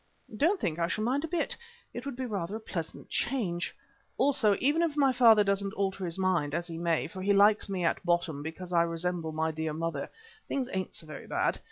"Don't think I shall mind a bit; it would be rather a pleasant change. Also, even if my father doesn't alter his mind, as he may, for he likes me at bottom because I resemble my dear mother, things ain't so very bad.